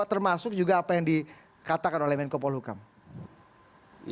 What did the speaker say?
termasuk juga apa yang dikatakan oleh menko polo kang